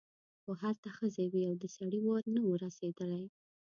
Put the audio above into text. خو هلته ښځې وې او د سړي وار نه و رسېدلی.